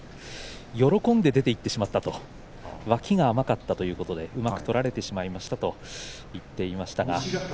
喜んで出ていってしまったと脇が甘かったとうまく取られてしまいましたと話していました。